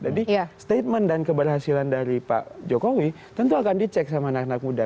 jadi statement dan keberhasilan dari pak jokowi tentu akan dicek sama anak anak muda